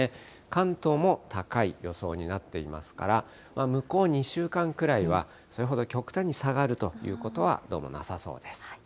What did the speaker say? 関東も高い予想になっていますから、向こう２週間くらいはそれほど極端に下がるということはどうもなさそうです。